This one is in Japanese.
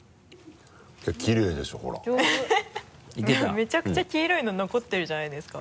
めちゃくちゃ黄色いの残ってるじゃないですか。